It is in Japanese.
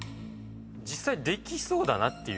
実際できそうだなっていう。